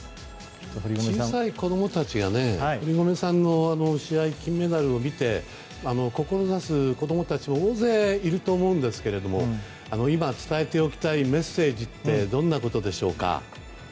小さい子供たちが堀米さんの試合金メダルを見て、志す子供たちが大勢いると思うんですが今、伝えておきたいメッセージってどんなことでしょうか？